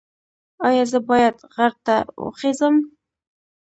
ایا زه باید غر ته وخیزم؟